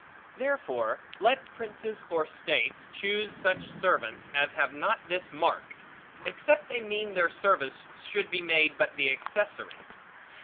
Therefore, let princes, or states, choose such servants, as have not this mark; except they mean their service should be made but the accessory.